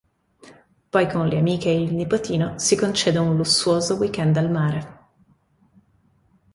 Poi con le amiche e il nipotino, si concede un lussuoso week-end al mare.